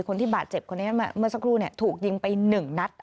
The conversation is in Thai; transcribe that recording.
คนที่บาดเจ็บเมื่อสักครู่ถูกยิงไปหนึ่งนัด